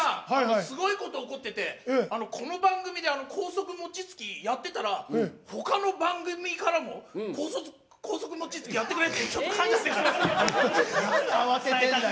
すごいこと起こっててこの番組で高速餅つきやってたら他の番組から高速餅つきやってくれって。